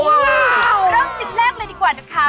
ว้าวเริ่มจิตแรกเลยดีกว่านะคะ